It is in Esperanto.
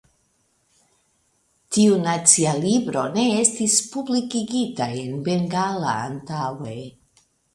Tiu nacia libro ne estis publikigita en bengala antaŭe.